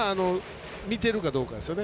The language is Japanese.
見てるかどうかですよね。